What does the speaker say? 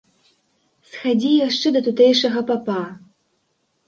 Схадзі яшчэ да тутэйшага папа.